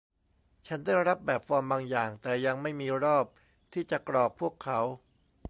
ฉันได้รับแบบฟอร์มบางอย่าง แต่ยังไม่มีรอบที่จะกรอกพวกเขา